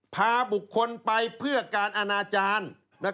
พาบุคคลไปเพื่อการอนาจารย์